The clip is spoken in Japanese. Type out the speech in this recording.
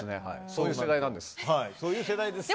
そういう世代なんです。